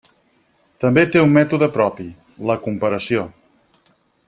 També té un mètode propi: la comparació.